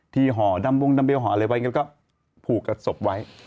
ที่ห่อดำวงดำเบียวห่ออะไรไว้แล้วก็ผูกกับศพไว้